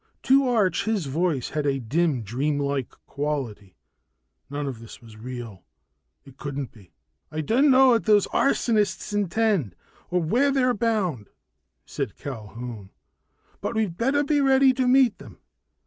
To Arch, his voice had a dim dreamlike quality, none of this was real, it couldn't be. "I don't know what those arsonists intend or where they're bound," said Culquhoun, "but we'd better be ready to meet them.